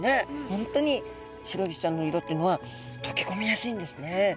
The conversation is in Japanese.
本当にシロギスちゃんの色っていうのは溶け込みやすいんですね。